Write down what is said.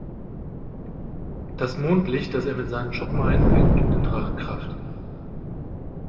Das Mondlicht, das er mit seinen Schuppen einfängt, gibt dem Drachen Kraft.